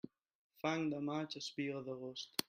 Fang de maig, espiga d'agost.